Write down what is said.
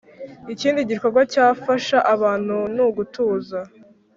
ikindi gikorwa cyafasha abantu nugutuza